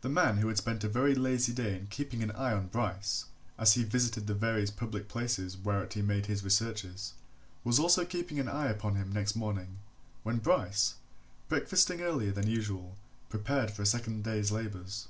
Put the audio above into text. The man who had spent a very lazy day in keeping an eye on Bryce, as he visited the various public places whereat he made his researches, was also keeping an eye upon him next morning, when Bryce, breakfasting earlier than usual, prepared for a second day's labours.